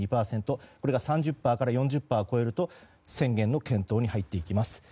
これが３０％から４０％を超えると宣言の検討に入っていきます。